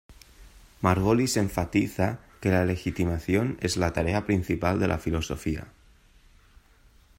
Margolis enfatiza que la legitimación es la tarea principal de la filosofía.